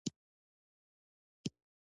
ډېر بوډاګان یې ژمی په هوټلونو کې تېروي.